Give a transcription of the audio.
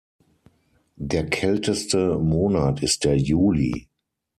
Der kälteste Monat ist der Juli.